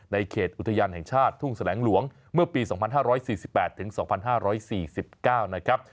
เขตอุทยานแห่งชาติทุ่งแสลงหลวงเมื่อปี๒๕๔๘๒๕๔๙นะครับ